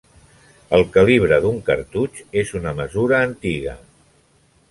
El calibre d'un cartutx és una mesura antiga.